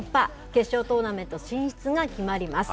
決勝トーナメント進出が決まります。